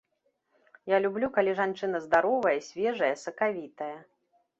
Я люблю, калі жанчына здаровая, свежая, сакавітая.